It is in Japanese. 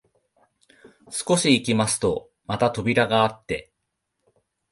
少し行きますとまた扉があって、